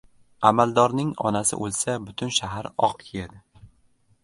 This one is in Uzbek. • Amaldorning onasi o‘lsa butun shahar oq kiyadi.